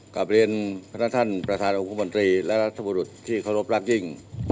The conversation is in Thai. กลับเรียนพนักท่านประธานองคมนตรีและรัฐบุรุษที่เคารพรักยิ่ง